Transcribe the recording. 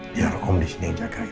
biar om disini yang jagain